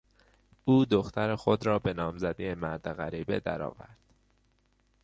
او دختر خود را به نامزدی مرد غریبه درآورد.